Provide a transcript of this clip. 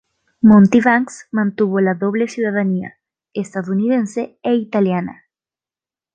Monty Banks mantuvo la doble ciudadanía, estadounidense e italiana.